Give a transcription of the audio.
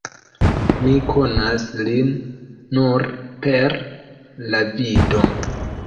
Mi konas lin nur per la vido.